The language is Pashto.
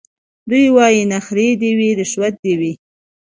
دی وايي نخرې دي وي رشوت دي وي